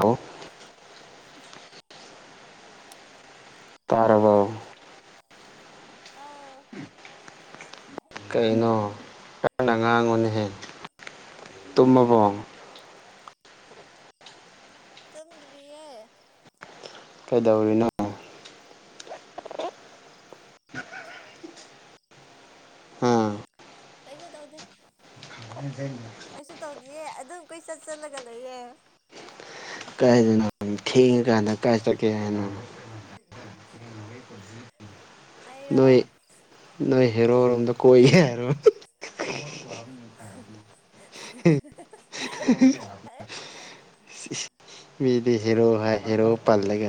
ꯍꯣ ꯇꯔꯕꯥꯥꯎ ꯑꯥꯎ ꯀꯩꯅꯣ ꯑꯅ ꯉꯥꯡꯉꯨꯅꯍꯦꯟ ꯇꯨꯝꯃꯕꯣ ꯇꯨꯝꯗꯔꯤꯌꯦ ꯀꯩꯗꯧꯔꯤꯅꯣ ꯑꯥ ꯀꯩꯁꯨꯣ ꯇꯑꯣꯗꯦ [unintelligible] ꯑꯦ ꯑꯗꯨꯝ ꯀꯣꯏꯆꯠ ꯆꯠꯂꯒ ꯂꯩꯌꯦ ꯀꯥꯏꯗꯅ ꯊꯦꯡꯉꯀꯥꯟꯗ ꯀꯥꯏ ꯆꯠꯀꯦ ꯍꯥꯏꯅ [unintelligible] ꯅꯣꯏ ꯅꯣꯏ ꯍꯦꯔꯣ ꯔꯣꯝꯗ ꯀꯣꯏꯒꯦ ꯍꯥꯏꯔꯣ [unintelligible] [unintelligible] [unintelligible] ꯃꯤꯗꯤ ꯍꯦꯔꯣ ꯍꯥꯏ ꯍꯦꯔꯣ ꯄꯜꯂꯒ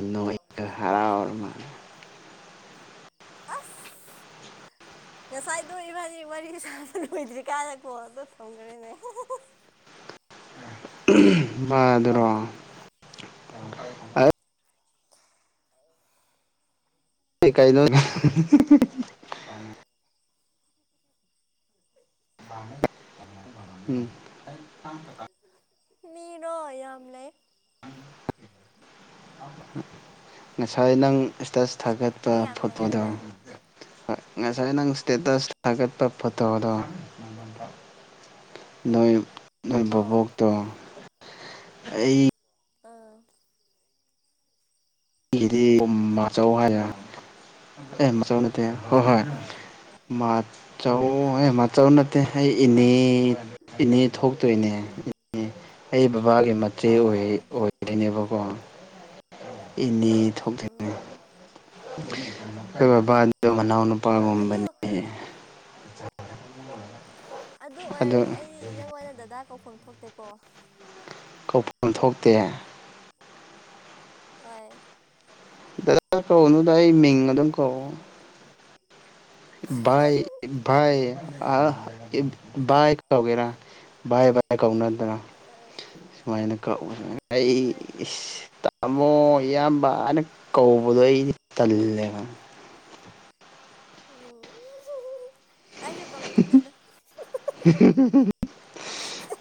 ꯍꯔꯥꯎꯔ ꯃꯥꯅ ꯑꯁ ꯉꯁꯥꯏꯗꯣꯏꯕꯅꯤ ꯃ ꯁꯥꯕ ꯀꯨꯏꯗ꯭ꯔꯤ ꯀꯥꯏꯗ ꯀꯣꯗ ꯊꯣꯡꯈ꯭ꯔꯦꯅꯦ ꯥꯗꯨꯔꯣ ꯀꯩꯗ [unintelligible] ꯃꯤꯅꯣ ꯑꯌꯥꯝ ꯑꯃ ꯂꯩ ꯉꯁꯥꯏ ꯅꯪ ꯏꯁꯇꯁ ꯊꯥꯒꯠꯄ ꯃꯤ ꯌꯥꯝ ꯂꯩꯌꯦ ꯐꯣꯠꯄꯗꯣ ꯍꯣꯏ ꯉꯁꯥꯏ ꯅꯪ ꯏꯁꯇꯦꯇꯁ ꯊꯥꯒꯠꯄ ꯐꯣꯇꯣꯗꯣ ꯅꯣꯏ ꯅꯣꯏ ꯑꯧ ꯕꯣꯛꯇꯣ ꯑꯩ ꯑꯥ ꯑꯩꯒꯤꯗꯤ ꯃꯆꯧ ꯍꯥꯏꯔꯦ ꯑꯦ ꯃꯆꯧ ꯅꯠꯇꯦ ꯍꯣꯏ ꯍꯣꯏ ꯃ ꯆ ꯍ ꯃ ꯆ ꯅ ꯑꯩ ꯏꯅꯦ ꯏꯅꯦ ꯊꯣꯛꯇꯣꯏꯅꯦ ꯑꯩ ꯕꯥꯒꯤ ꯃꯦ ꯑꯥ ꯑꯣꯏꯔꯤꯣꯏꯅꯦꯕꯀꯣ ꯏꯅꯦ ꯎꯝ ꯑꯩ ꯕꯥ ꯑꯗꯨ ꯃꯅꯥꯎ ꯑꯗꯨ ꯑꯄꯥꯒꯨꯝꯕꯅꯤꯍ ꯑꯗꯨ ꯑꯣꯏꯔꯗꯤ ꯑꯩ ꯅꯪꯗ ꯗꯗꯥ ꯀꯧꯐꯝ ꯊꯣꯛꯇꯦꯀꯣ ꯀꯧꯐꯝ ꯊꯣꯛꯇꯦ ꯍ ꯗꯗ ꯀꯅ ꯇ ꯃꯤꯉ ꯑꯗꯨꯝ ꯀꯣ ꯏ ꯏ ꯑ ꯏ ꯧꯒꯦꯔ ꯕꯥꯏ ꯏ ꯀꯧꯅꯗꯔ ꯑ ꯁꯨꯃꯥꯏꯅ ꯀꯧ ꯑꯩ ꯍꯣꯏ ꯏꯁ ꯇꯥꯃꯣ ꯏꯌꯥꯝꯕ ꯍꯥꯏꯅ ꯀꯧ ꯎꯗꯣꯏ ꯇꯜ ꯉ ꯑꯣ ꯑꯁꯨ ꯀꯥꯎꯅꯗꯅ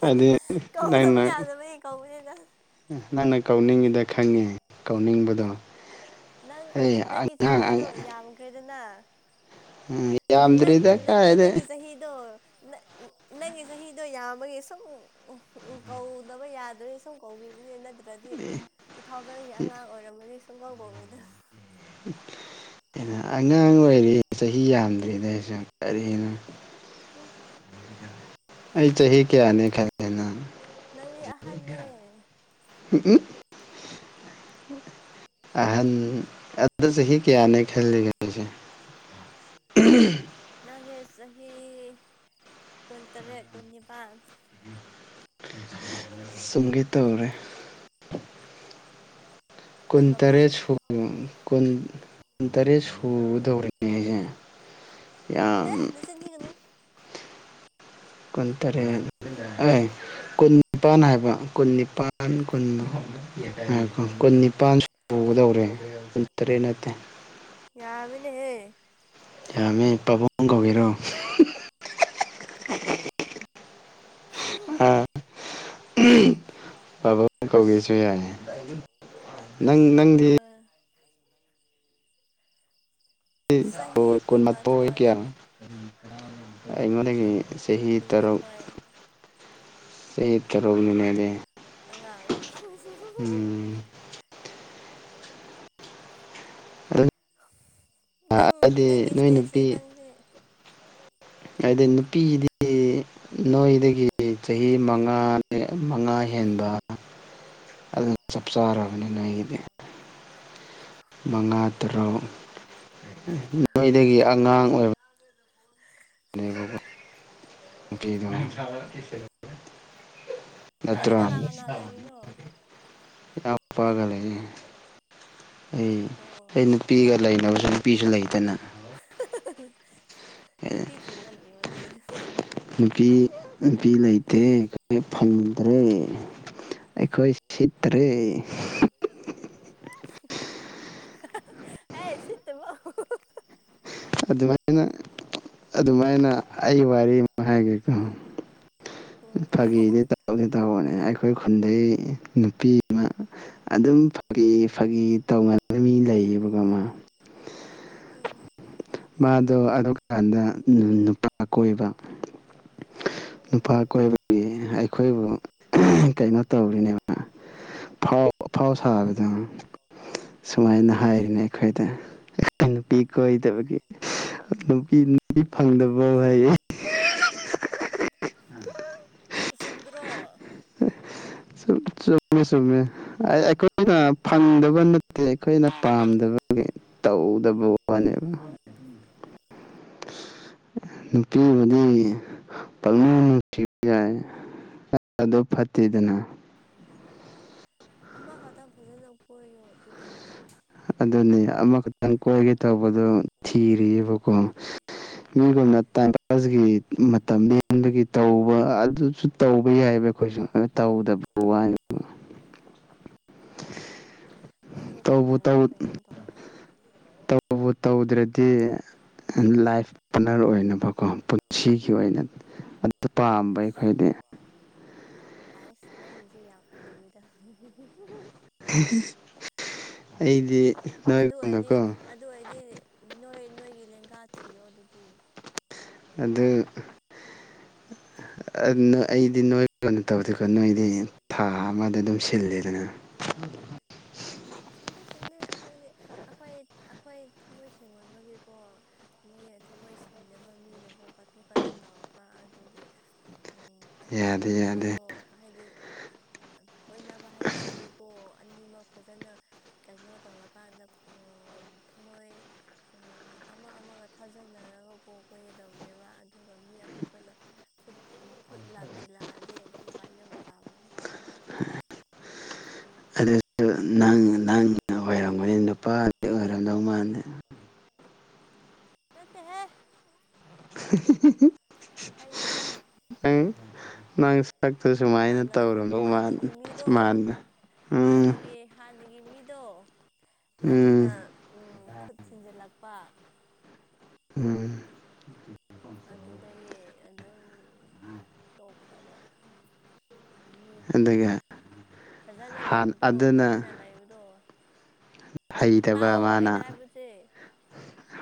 ꯍꯥꯏꯗꯤ ꯏ ꯌꯥꯗꯕꯩ ꯀꯧꯕꯅꯤꯗ ꯅꯪꯅ ꯀꯧꯅꯤꯡꯉꯤꯗ ꯈꯪꯉꯦ ꯀꯧꯅꯤꯡꯕꯗꯣ ꯅꯪ ꯑꯩ ꯅꯪꯒꯤ ꯑꯉꯥꯡ ꯆꯍꯤꯗꯣ ꯌꯥꯝꯈ꯭ꯔꯦꯗꯅ ꯌꯥꯝꯗ꯭ꯔꯤꯗ ꯅꯠꯇꯦ ꯀꯥꯏꯗꯩ ꯅꯪꯒꯤ ꯆꯍꯤꯗꯣ ꯅꯪꯒꯤ ꯆꯍꯤꯗꯣ ꯌꯥꯝꯕꯒꯤ ꯁꯨꯝ ꯀꯧꯗꯕ ꯌꯥꯗ꯭ꯔꯦ ꯁꯨꯝ ꯀꯧ ꯑꯝ ꯁꯒꯣꯝ ꯎ ꯑꯩꯅ ꯑꯉꯥꯡ ꯑꯣꯏꯔꯤ ꯆꯍꯤ ꯌꯥꯝꯗ꯭ꯔꯤꯅꯩꯁꯨ ꯀꯔꯤꯅ ꯎ ꯎ ꯑꯩ ꯆꯍꯤ ꯆꯍꯤ ꯀꯌꯥꯌꯥꯅꯤ ꯈꯅ ꯅꯪꯒꯤ ꯑꯍꯥꯟꯕꯅꯦ ꯎ ꯑꯍꯟ ꯑꯗꯨꯗ ꯆꯍꯤꯍꯤ ꯀꯌꯥꯅꯦ ꯈꯜꯂꯤꯒꯁꯦ ꯎꯝ ꯅꯪꯒꯤ ꯆꯍꯤ ꯀꯨꯟꯇꯔꯦꯠ ꯀꯨꯟꯅꯤꯄꯥꯜ ꯁꯒꯇꯥ ꯑꯣꯏꯔ ꯀꯨꯟ ꯇꯔꯦ ꯀꯨꯟꯃꯥꯄꯜ ꯀꯨꯟ ꯀꯨꯟ ꯇꯔꯦꯠ ꯁꯨꯗꯧꯔꯤꯅꯦ ꯑꯩꯁꯦ ꯍꯦ ꯌꯥꯝ ꯅꯆꯤꯟꯗꯤꯒꯅꯨ ꯀꯟꯇꯥꯔꯦ ꯀꯨꯟ ꯅꯤꯄꯥꯟ ꯍꯥꯏꯕ ꯀꯨꯟ ꯅꯤꯄꯥꯟ ꯀꯨꯟ ꯀꯨꯟ ꯅꯤꯄꯥꯥꯟ ꯇꯧꯒꯗꯧꯔꯦ ꯀꯨꯟ ꯇꯔꯦꯠ ꯅꯠꯇꯦ ꯌꯥꯃꯤꯅꯦꯍꯦ ꯄꯕꯨꯡ ꯀꯒꯦꯔꯣ ꯑꯝ ꯄꯕ ꯀꯧꯒꯦꯁꯨ ꯌꯥꯏ ꯅꯪ ꯅꯪꯗꯤ ꯆꯍꯤ ꯍꯣꯏ ꯀꯨꯟ ꯃꯠꯄ ꯑꯣꯏ ꯀꯨꯟꯃꯥꯊꯣꯏ ꯀꯌꯥ ꯑꯩꯉꯣꯟꯗꯒꯤ ꯁ ꯇꯔꯒ ꯀꯨꯟꯃꯥꯊꯣꯏ ꯁ ꯇꯔꯣ ꯂꯩꯅꯦ ꯂꯩ ꯑꯉꯥꯡ ꯁ ꯁ ꯁ ꯎꯝ ꯑꯗꯨ ꯅꯪ ꯍꯥꯏꯗꯤ ꯅꯪꯒꯤ ꯅꯣꯏ ꯏꯁꯇꯦꯖꯁꯦ ꯅꯨꯄꯤ ꯅꯪꯁ ꯍꯥꯏꯗꯤ ꯅꯨꯄꯤꯁꯤꯗꯤ ꯅꯣꯏꯗꯒꯤ ꯆꯍꯤ ꯃꯉꯥ ꯃꯉꯥ ꯍꯦꯟꯕ ꯑꯗꯨꯞꯥꯔꯅꯤꯗꯤ ꯃꯉꯥ ꯇꯔꯨꯛ ꯅꯣꯏꯗꯒꯤ ꯑꯉꯥꯡ ꯑꯣꯏꯕ ꯗ ꯅꯪꯗꯤ ꯅꯠꯇ꯭ꯔ ꯀꯅꯥ ꯀꯅꯥ ꯂꯩꯔꯤꯅꯣ ꯅꯨꯄꯥꯒ ꯂꯩꯔꯤ ꯑꯩ ꯑꯣ ꯑꯩ ꯅꯨꯄꯤꯒ ꯂꯩꯅꯕꯁꯤꯡ ꯅꯨꯄꯤꯁꯨ ꯂꯩꯇꯅ ꯅ ꯄꯊꯔ ꯂꯩꯣ ꯑꯗꯨꯗꯤ ꯅꯨꯄꯤ ꯅꯨꯄꯤ ꯂꯩꯇꯦ ꯐꯪꯗ꯭ꯔꯦ ꯑꯩꯈꯣꯏ ꯁꯤꯠꯇꯔꯦ ꯍꯥꯏ ꯁꯤꯠꯇ ꯕꯨꯨ ꯑꯗꯨꯃꯥꯏꯅ ꯑꯗꯨꯃꯥꯏꯅ ꯑꯩ ꯋꯥꯔꯤ ꯑꯃ ꯍꯥꯏꯒꯦꯀꯣ ꯎꯝ ꯐꯥꯒꯤꯗꯤ ꯇꯗꯤ ꯇꯧꯅꯦ ꯑꯩꯈꯣꯏ ꯈꯨꯟꯗꯒꯤ ꯅꯨꯄꯤ ꯑꯃ ꯑꯗꯨꯝ ꯐꯥꯒꯤ ꯐꯥꯒꯤ ꯇꯧꯅꯅꯕ ꯃꯤ ꯂꯩꯌꯦꯕꯒ ꯃꯥ ꯎꯝ ꯃꯥꯗꯣ ꯑꯗꯨꯀꯥꯟꯗ ꯅꯨꯄꯥ ꯀꯣꯏꯕ ꯎꯝ ꯅꯨꯄꯥ ꯀꯣꯏꯕꯒꯤ ꯑꯩꯈꯣꯏꯕꯨ ꯀꯩꯅꯣ ꯇꯧꯔꯤꯅꯦꯕ ꯐꯥꯎ ꯐꯥꯎ ꯁꯥꯕꯗ ꯁꯨꯃꯥꯏꯅ ꯎꯝ ꯍꯥꯏꯔꯤꯅꯦ ꯑꯩꯈꯣꯏꯗ ꯅꯨꯄꯤ ꯀꯣꯏꯗꯕꯒꯤ ꯅꯨꯄꯤ ꯅꯨꯄꯤ ꯐꯪꯗꯕ ꯑꯣꯏꯍꯩ ꯆꯨꯝꯗ꯭ꯔꯣ ꯆꯨꯝꯃꯦ ꯆꯨꯝꯃꯦ ꯑꯩꯈꯣꯏꯅ ꯐꯪꯗꯕ ꯅ ꯤ ꯑꯩꯈꯣꯏꯅ ꯄꯥꯝꯗꯕꯒꯤ ꯇꯧꯗꯕ ꯋꯥꯅꯦꯕ [unintelligible] ꯅꯨꯄꯤꯕꯨꯗꯤ ꯄꯥꯂꯨꯡ ꯅꯨꯡ ꯊꯤ ꯌꯥꯏ ꯑꯗꯨ ꯐꯠꯇꯤꯗꯅ ꯑꯃ ꯈꯛꯇꯪ ꯐꯖꯅ ꯀꯣꯏꯌꯣ ꯑꯗꯨꯗꯤ ꯑꯗꯨꯅꯤ ꯑꯃꯈꯛꯇꯪ ꯀꯣꯏꯒꯦ ꯇꯧꯕꯗꯣ ꯊꯤꯔꯤꯑꯕꯀꯣ ꯃꯤꯒꯨꯝꯅ ꯇꯥꯏꯝ ꯄꯥꯁꯒꯤ ꯃꯇꯝ ꯌꯦꯒꯤ ꯇꯧꯕ ꯑꯗꯨꯁꯨ ꯇꯧꯕ ꯌꯥꯏꯑꯕ ꯑꯩꯈꯣꯏꯁꯨ ꯇꯧꯗꯕ ꯋꯥ ꯑꯩꯁꯦ ꯇꯝꯅ ꯇ ꯇꯧꯗ꯭ꯔꯗꯤ ꯂꯥꯏꯐ ꯄꯥꯔꯠꯅꯔ ꯑꯣꯏꯅꯕꯀꯣ ꯄꯨꯟꯁꯤꯒꯤ ꯑꯣꯏꯅ ꯄꯥꯝꯕ ꯑꯁ ꯑꯩꯈꯣꯏꯗꯤ ꯍꯥꯏꯁ ꯅꯪꯒꯤꯁꯦ ꯌꯥꯝ ꯂꯨꯏꯗ ꯑꯩꯗꯤ ꯑꯗꯨ ꯑꯣꯏꯗꯤ ꯅꯣꯏꯒꯨꯝꯅꯀꯣ ꯑꯗꯨ ꯑꯣꯏꯔꯗꯤ ꯅꯣꯏ ꯅꯣꯏꯒꯤ ꯂꯦꯡꯒꯥ ꯊꯤꯌꯣ ꯑꯗꯨꯗꯤ ꯑꯗꯨ [unintelligible] ꯑꯩꯗꯤ ꯅꯣꯏ ꯀꯩꯅꯣ ꯇꯧꯗꯦꯀꯣ ꯅꯣꯏꯗꯤ ꯊꯥ ꯑꯃꯗ ꯑꯗꯨꯝ ꯁꯤꯜꯂꯦꯗꯅ [unintelligible] ꯁꯤꯟꯗꯦ ꯁꯤꯟꯗꯦ ꯑꯩꯈꯣꯏꯗꯤ ꯑꯩꯈꯣꯏ ꯑꯩꯈꯣꯏ ꯊꯃꯣꯏ ꯁꯦꯡꯃꯟꯕꯒꯤꯀꯣ ꯃꯣꯏ ꯊꯃꯣꯏ ꯁꯦꯡꯗꯕ ꯃꯤꯅꯀꯣ ꯀꯥꯇꯨ ꯀꯔꯟ ꯇꯧꯔꯛꯄ ꯑꯗꯨꯒꯤ ꯎꯝ ꯌꯥꯗꯦ ꯑꯗꯨꯒꯨꯝꯕ ꯌꯥꯗꯦ ꯋꯥꯗꯣ ꯍꯥꯏꯗꯤ ꯀꯣꯏꯅꯕ ꯍꯥꯏꯕꯁꯤꯗꯤꯀꯣ ꯑꯅꯤꯃꯛ ꯐꯖꯅ ꯀꯩꯅꯣ ꯇꯧꯔꯀꯥꯟꯗ ꯑꯝ ꯊꯝꯃꯣꯏ ꯑꯝ ꯑꯃ ꯑꯃꯒ ꯊꯥꯖꯕ ꯅꯔꯒ ꯀꯣ ꯀꯣꯏꯒꯗꯕꯅꯦꯕ ꯑꯗꯨꯒ ꯃꯤ ꯑꯇꯣꯞꯄꯅ ꯈꯨꯠ ꯈꯨꯠ ꯂꯥꯝꯖꯜꯂꯛꯑ [unintelligible] ꯅꯪ ꯅꯪ ꯑꯣꯏꯔꯝꯒꯅꯤ ꯅꯨꯄꯥ ꯅꯠ ꯇꯦ ꯍꯦ ꯑꯩꯗꯤ ꯅꯠꯇꯦ ꯅꯪ ꯅꯪ ꯁꯛꯇꯨ ꯁꯨꯃꯥꯏꯅ ꯍꯥꯟꯅ ꯇꯧꯔꯝꯗꯧ ꯍꯥꯟꯅꯒꯤ [inaudible] ꯃꯤꯗꯣ ꯃꯥꯅ ꯍꯥꯟꯅꯒꯤ ꯍꯥꯟ ꯅꯒꯤ ꯃꯤꯗꯣ ꯎꯝ ꯑꯗꯨꯅ ꯈꯨꯠ ꯊꯤꯟꯖꯤꯜꯂꯛꯄ ꯎꯝ ꯑꯗꯨꯗꯒꯤ ꯑꯗꯨꯝ ꯇꯣꯛꯈ꯭ꯔꯕ ꯃꯤꯒꯤ ꯑꯗꯨꯒ ꯐꯖꯅ ꯍꯥꯟ ꯂꯩꯕꯗꯣ ꯑꯗꯨꯅ ꯐꯖꯅ ꯂꯩꯕꯗꯣ ꯍꯩꯇꯕ ꯈꯇꯥꯎꯑꯣ ꯃꯥꯅ ꯑꯩꯅ ꯍꯥꯏꯕꯁꯦ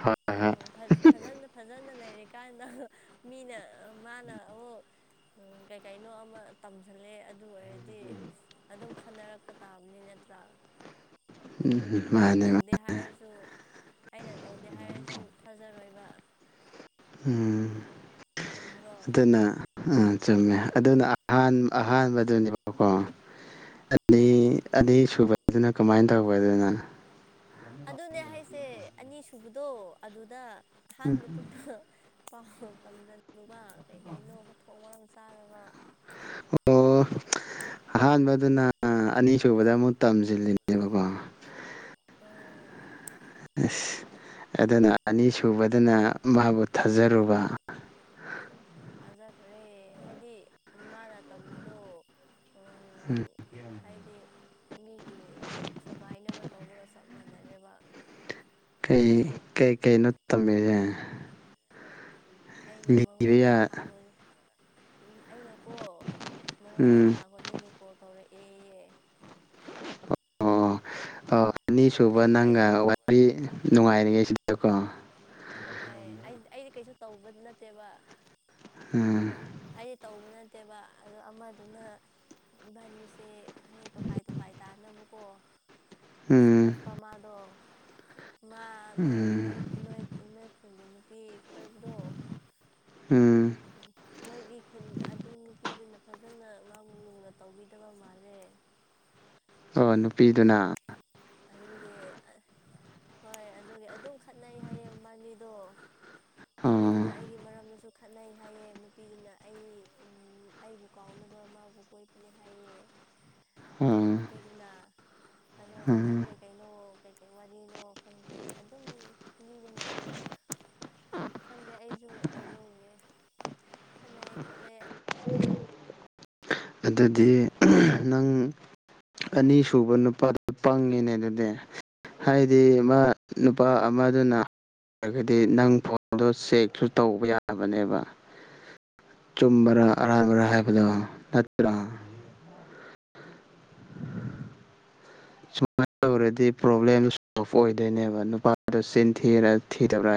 ꯍꯣꯏ ꯍꯣꯏ ꯎꯝ ꯐꯖ ꯐꯖꯅ ꯐꯖꯅ [inaudible] ꯅ ꯃꯤꯅ ꯃꯥꯅ ꯑꯃꯨꯛ ꯀꯩꯀꯩꯅꯣ ꯑꯃ ꯇꯝꯁꯤꯜꯂꯦ ꯑꯗꯨ ꯑꯣꯏꯔꯗꯤ ꯑꯗꯨꯝ ꯈꯟꯅꯔꯛꯄ ꯇꯥꯕꯅꯤ ꯅꯠꯇ꯭ꯔꯥ ꯎꯝ ꯑꯩꯅ ꯃꯥꯅꯦ ꯇꯧꯗꯦ ꯍꯥꯏꯔꯁꯨ ꯑꯩꯅ ꯇꯧꯗꯦ ꯍꯥꯏꯔꯁꯨ ꯊꯥꯖꯔꯣꯏꯕ ꯎꯝ ꯆꯨꯝꯗ꯭ꯔꯣ ꯑꯗꯨꯅ ꯎꯝ ꯆꯨꯝꯃꯦ ꯑꯗꯨꯅ ꯑꯍꯥꯟ ꯑꯍꯥꯟꯕꯗꯨꯅꯦꯕꯀꯣ ꯑꯅꯤ ꯎꯝ ꯑꯅꯤꯁꯨꯕꯗꯨꯅ ꯀꯃꯥꯏꯅ ꯇꯧꯕ ꯑꯗꯨꯅ ꯑꯗꯨꯅꯦ ꯍꯥꯏꯁꯦ ꯑꯅꯤ ꯁꯨꯕꯗꯣ ꯑꯗꯨꯗ ꯑꯍꯥꯟꯕꯗꯨꯗ ꯄꯥꯎ ꯇꯝꯖꯜꯂꯨꯕ ꯀꯩ ꯀꯔꯩꯅꯣ ꯃꯊꯣꯡ ꯃꯔꯝ ꯁꯨ ꯑꯣ ꯑꯍꯥꯟꯕꯗꯨꯅ ꯑꯅꯤꯁꯨꯨꯕꯗ ꯑꯃꯨꯛ ꯇꯝꯁꯤꯜꯂꯤꯅꯦꯕꯀꯣ ꯎꯝ ꯑꯁ ꯑꯗꯨꯅ ꯑꯅꯤ ꯁꯨꯕꯗꯨꯅ ꯃꯥꯕꯨ ꯊꯥꯖꯔꯨꯕ ꯊꯖꯈ꯭ꯔꯦ ꯍꯥꯏꯗꯤ ꯃꯥꯅ [inaudible] ꯗꯣ ꯑꯝ ꯍꯥꯏꯗꯤ ꯃꯤꯒꯤ ꯊꯨꯒꯥꯏꯅꯕ ꯇꯧꯕꯒ ꯆꯞ ꯃꯥꯟꯅꯔꯦꯕ ꯀꯩ ꯀꯩ ꯀꯩ ꯅꯣ ꯇꯝꯃꯤꯁꯦ ꯑꯩꯅ ꯂꯤꯕ ꯃꯉꯣꯟꯗ ꯌꯥ ꯊꯥ [inaudible] ꯎꯝ ꯑꯩꯅꯦꯀꯣ ꯃꯉꯣꯟꯗ ꯎꯝ ꯊꯥ ꯈꯨꯗꯤꯡꯒꯤ ꯀꯣꯜ ꯇꯧꯔꯛꯏ ꯑꯣ ꯑꯣ ꯑꯅꯤꯁꯨꯕ ꯑꯩ ꯑꯩꯗꯤ ꯅꯪꯒ ꯋꯥꯔꯤ ꯅꯨꯡꯉꯥꯏꯔꯤꯉꯩ ꯁꯤꯗ [inaudible] ꯀꯣ ꯍꯣꯏ ꯑꯩ ꯑꯩꯗꯤ ꯀꯩꯁꯨ ꯇꯧꯕ ꯅꯠꯇꯦꯕ ꯎꯝ ꯑꯩ ꯇꯧꯕ ꯅꯠꯇꯦꯕ ꯑꯗꯣ ꯑꯃꯗꯨꯅ ꯕꯥꯅꯤꯁꯦ ꯍꯌꯦꯡ ꯇꯣꯈꯥꯏ ꯇꯣꯈꯥꯏ ꯇꯥꯅꯕꯀꯣ ꯎꯝ ꯁꯤꯜꯂꯥꯛꯄ ꯃꯥꯗꯣ꯫ ꯎꯝ꯫ ꯑꯗꯨ ꯅꯨꯄꯤ ꯀꯣꯏꯕꯗꯣ꯫ ꯎꯝ ꯅꯣꯏꯒꯤ ꯈꯨꯟ ꯑꯗꯨ ꯅꯨꯄꯤꯗꯨꯅ ꯐꯖꯅ ꯃꯥꯕꯨ ꯂꯨꯅ ꯇꯧꯕꯤꯗꯕ ꯃꯥꯜꯂꯦ꯫ [inaudible] ꯑꯣ ꯅꯨꯄꯤꯗꯨꯅ ꯑꯗꯨꯒꯤ ꯍꯣꯏ ꯑꯗꯨꯒꯤ ꯑꯗꯨꯝ ꯈꯠꯅꯩ ꯍꯥꯏꯌꯦ ꯃꯥꯕꯅꯤꯗꯣ꯫ ꯑꯣ ꯅꯨꯄꯤꯗꯨꯅ ꯑꯩꯒꯤ ꯃꯔꯝꯗ ꯨ ꯈꯠꯅꯩ ꯍꯥꯏꯌꯦ ꯅꯨꯄꯤꯗꯨꯅ ꯑꯩ ꯑꯩꯕꯨ ꯀꯥꯎꯅꯕ ꯃꯥꯕꯨ ꯀꯣꯏꯕꯅꯦ ꯍꯥꯏꯌꯦ꯫ ꯎꯝ ꯅꯨꯄꯤꯗꯨꯅ ꯑꯗꯣ ꯑꯗꯨꯝ ꯎꯝ ꯀꯩ ꯀꯩꯅꯣ ꯀꯩꯀꯩ ꯋꯥꯔꯤꯅꯣ ꯈꯪꯗꯦ ꯑꯗꯨꯝ ꯂꯤꯕ ꯃꯥꯜꯂꯦ ꯈꯪꯗꯦ ꯑꯩꯁꯨ ꯑꯗꯨꯒꯤ ꯈꯠꯅꯩ ꯈꯣꯠꯂꯦ ꯑꯗꯨꯗꯤ ꯅꯪ ꯑꯅꯤ ꯁꯨꯕ ꯅꯨꯄꯥꯗꯨ ꯄꯪꯉꯤꯅꯦ ꯑꯗꯨꯗꯤ ꯍꯥꯏꯗꯤ ꯃꯥ ꯅꯨꯄꯥ ꯑꯃꯗꯨꯅ ꯑꯣꯏꯔꯒꯗꯤ ꯅꯪ ꯐꯣꯟꯗꯣ ꯆꯦꯛꯁꯨ ꯇꯧꯕ ꯌꯥꯕꯅꯦꯕ ꯆꯨꯝꯕꯔꯥ ꯑꯔꯥꯟꯕꯔꯥ ꯍꯥꯏꯕꯗꯣ ꯅꯠꯇ꯭ꯔꯣ꯫ [inaudible] [unintelligible] ꯇꯧꯔꯗꯤ ꯄ꯭ꯔꯣꯕ꯭ꯂꯦꯝ ꯁꯣꯞ ꯑꯣꯏꯗꯣꯏꯅꯦꯕ ꯅꯨꯄꯥꯗꯣꯆꯤꯟ ꯊꯤꯔꯥ ꯊꯤꯗꯕ꯭ꯔꯥ